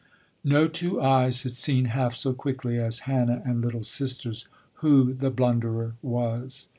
No two eyes had seen half so quickly as Hannah and "little sister's" who the blunderer was.